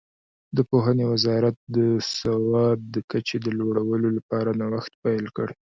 د پوهنې وزارت د سواد د کچې د لوړولو لپاره نوښت پیل کړ.